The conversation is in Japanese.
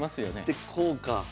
でこうか。